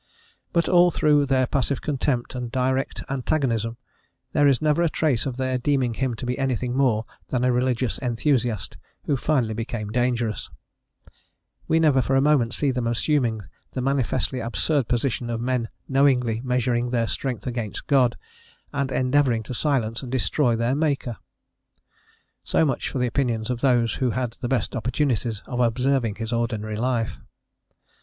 But all through their passive contempt and direct antagonism, there is never a trace of their deeming him to be anything more than a religious enthusiast who finally became dangerous: we never for a moment see them assuming the manifestly absurd position of men knowingly measuring their strength against God, and endeavouring to silence and destroy their Maker. So much for the opinions of those who had the best opportunities of observing his ordinary life.